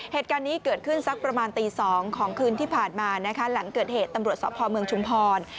เหตุการณ์นี้เกิดขึ้นสักประมาณตี๒ของคืนที่ผ่านมานะคะหลังเกิดเหตุตำรวจสพเมืองชุมพร